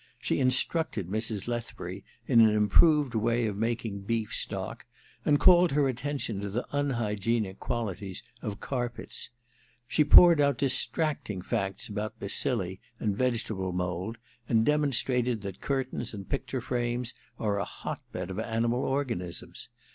She instructed Mrs. Lethbury in an improved way of making beef stock, and called her attention to the unhygienic qualities of carpets. She poured out distracting facts IV THE MISSION 01? JANE i8i about bacilli and vegetable mould, and demon strated that curtains and picture frames are a hot bed of animal organisms.